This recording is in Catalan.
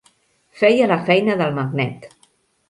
Feia la feina del magnet.